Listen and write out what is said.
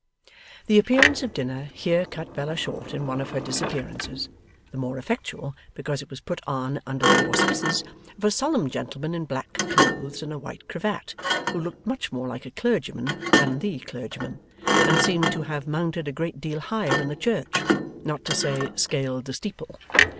The appearance of dinner here cut Bella short in one of her disappearances: the more effectually, because it was put on under the auspices of a solemn gentleman in black clothes and a white cravat, who looked much more like a clergyman than THE clergyman, and seemed to have mounted a great deal higher in the church: not to say, scaled the steeple.